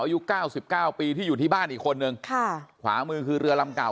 อายุ๙๙ปีที่อยู่ที่บ้านอีกคนหนึ่งขวามือคือเรือลำเก่า